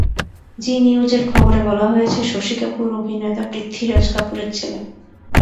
জি নিউজের খবরে বলা হয়েছে, শশী কাপুর অভিনেতা পৃত্বীরাজ কাপুরের ছেলে।